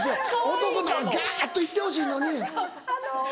男ならガっといってほしいのに。